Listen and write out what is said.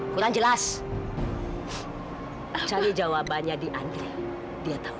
kamu tinggal penuh